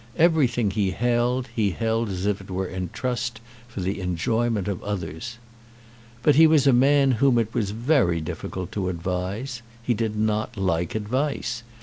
Everything he held, he held as it were in trust for the enjoyment of others. But he was a man whom it was very difficult to advise. He did not like advice.